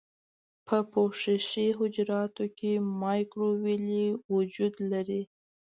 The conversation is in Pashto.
په پوښښي حجراتو کې مایکروویلې وجود لري.